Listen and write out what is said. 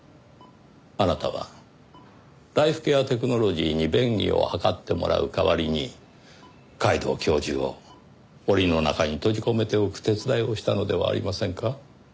あなたはライフケアテクノロジーに便宜を図ってもらう代わりに皆藤教授を檻の中に閉じ込めておく手伝いをしたのではありませんか？